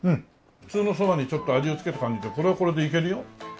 普通のそばにちょっと味をつけた感じでこれはこれでいけるよ。